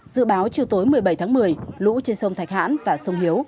dự báo chiều tối một mươi bảy tháng một mươi lũ trên sông thạch hãn và sông hiếu